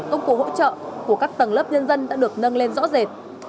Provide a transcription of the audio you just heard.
công cụ hỗ trợ của các tầng lớp nhân dân đã được nâng lên rõ rệt